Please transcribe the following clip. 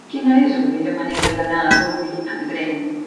Quina és la millor manera d'anar a Bolvir amb tren?